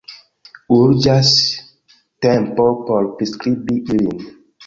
Urĝas tempo por priskribi ilin.